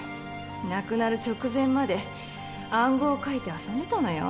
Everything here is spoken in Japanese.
亡くなる直前まで暗号を書いて遊んでたのよ。